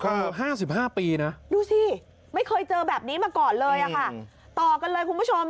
เกือบ๕๕ปีนะดูสิไม่เคยเจอแบบนี้มาก่อนเลยอะค่ะต่อกันเลยคุณผู้ชม